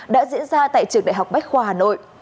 đã diễn ra tại trường đại học bách khoa hà nội